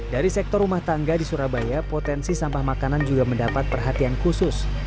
dari sektor rumah tangga di surabaya potensi sampah makanan juga mendapat perhatian khusus